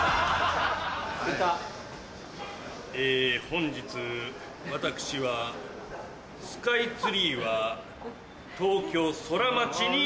本日私はスカイツリーは東京ソラマチに。